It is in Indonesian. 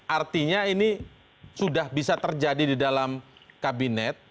artinya ini sudah bisa terjadi di dalam kabinet